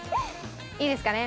いいですかね？